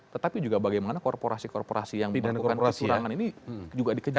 tetapi juga bagaimana korporasi korporasi yang melakukan kecurangan ini juga dikejar